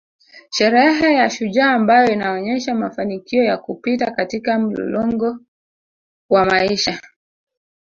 Sherehe ya shujaa ambayo inaonesha mafanikio ya kupita katika mlolongo wa maisha